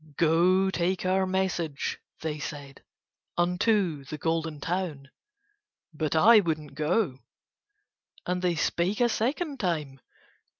"Go take our message," they said, "unto the Golden Town." But I would not go. And they spake a second time.